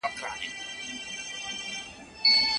د ږیري خاوند ډنډ ته د چاڼ ماشین وړل خوښوي.